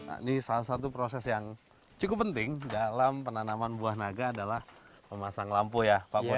ini salah satu proses yang cukup penting dalam penanaman buah naga adalah memasang lampu ya pak kua